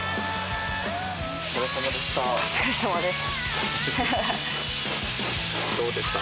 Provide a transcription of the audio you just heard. お疲れさまです。